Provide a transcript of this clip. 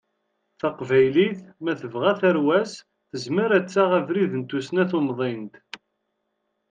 Taqbaylit, ma tebɣa tarwa-s, tezmer ad taɣ abrid n tussna tumḍint.